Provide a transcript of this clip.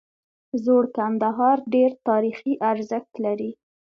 زوړ کندهار ډیر تاریخي ارزښت لري